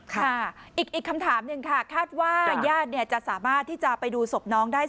ค่ะอีกคำถามหนึ่งค่ะคาดว่าญาติจะสามารถที่จะไปดูศพน้องได้